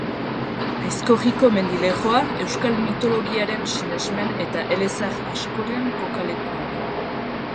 Aizkorriko mendilerroa euskal mitologiaren sinesmen eta elezahar askoren kokalekua da.